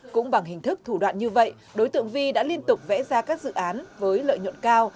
cũng bằng hình thức thủ đoạn như vậy đối tượng vi đã liên tục vẽ ra các dự án với lợi nhuận cao